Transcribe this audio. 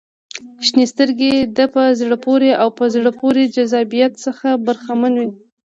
• شنې سترګې د په زړه پورې او په زړه پورې جذابیت څخه برخمنې دي.